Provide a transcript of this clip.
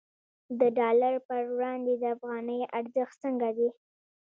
د ډالر پر وړاندې د افغانۍ ارزښت څنګه دی؟